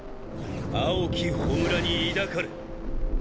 青き焔に抱かれ。